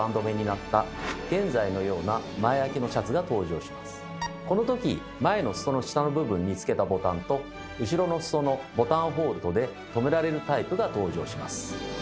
さらにこのとき前の裾の下の部分に付けたボタンと後ろの裾のボタンホールとでとめられるタイプが登場します。